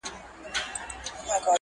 د دوی د کلتورونو سره ګډ سوي دي